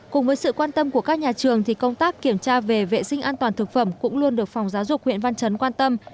cùng với sự quan tâm của các nhà trường thì công tác kiểm tra về vệ sinh an toàn thực phẩm cũng luôn được phòng giáo dục huyện văn chấn quan tâm